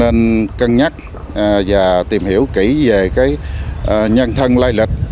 nên cân nhắc và tìm hiểu kỹ về cái nhân thân lai lịch